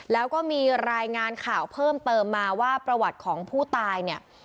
แล้วก็มีรายงานข่าวเพิ่มเติมมาว่าประวัติของผู้ตายเนี่ย